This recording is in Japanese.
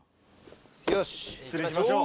・よし釣りしましょう。